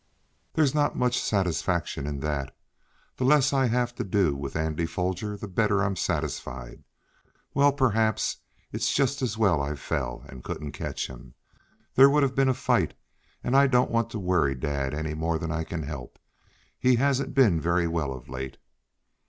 "There's not much satisfaction in that. The less I have to do with Andy Foger the better I'm satisfied. Well, perhaps it's just as well I fell, and couldn't catch him. There would have been a fight, and I don't want to worry dad any more than I can help. He hasn't been very well of late."